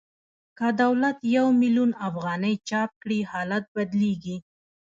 که دولت یو میلیون افغانۍ چاپ کړي حالت بدلېږي